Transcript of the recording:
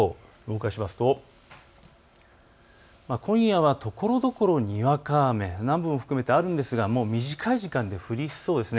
動かしますと今夜はところどころにわか雨、南部も含めてあるんですが短い時間に降りそうです。